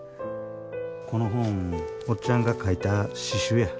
この本おっちゃんが書いた詩集や。